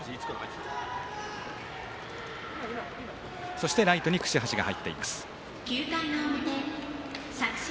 そしてライトに櫛橋が入っています。